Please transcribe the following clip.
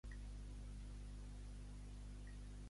Els arbres que enclouen l'activitat desenvolupada per na Diana.